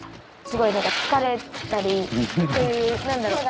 すごいつかれたりそういうなんだろう